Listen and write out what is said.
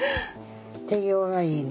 手際がいいね。